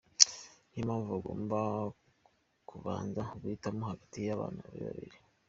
Niyo mpamvu bagombaga kubanza guhitamo hagati y’abana be babiri.